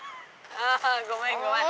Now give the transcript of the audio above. ごめんごめん。